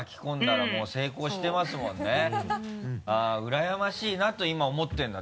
うらやましいなと今思ってるんだ？